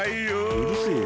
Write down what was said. うるせえよ。